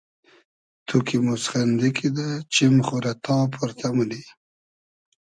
تو کی موسخئندی کیدہ چیم خو رۂ تا پۉرتۂ مونی